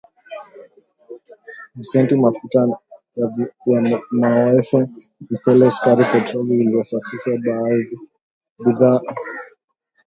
Simenti mafuta ya mawese mchele sukari petroli iliyosafishwa bidhaa zilizopikwa vipodozi na vifaa vya chuma